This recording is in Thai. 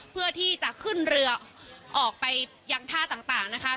เพื่อที่จะขึ้นเรือออกไปยังท่าต่างนะคะ